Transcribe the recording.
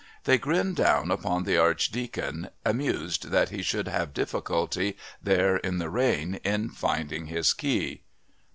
They grinned down upon the Archdeacon, amused that he should have difficulty, there in the rain, in finding his key.